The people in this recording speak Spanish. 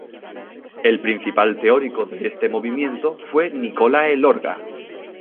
El principal teórico de este movimiento fue Nicolae Iorga.